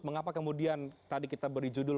mengapa kemudian tadi kita beri judul